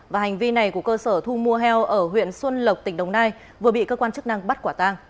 và hành vi này của cơ sở thu mua heo ở huyện xuân lộc tỉnh đồng nai vừa bị cơ quan chức năng bắt quả tang